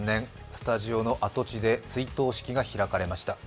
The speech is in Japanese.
スタジオの跡地で追悼式が開かれました。